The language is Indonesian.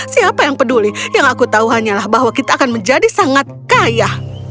siapa yang peduli yang aku tahu hanyalah bahwa kita akan menjadi sangat kaya